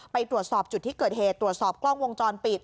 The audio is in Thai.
ไปตรวจสอบจุดที่เกิดเหตุตรวจสอบกล้องวงจรปิด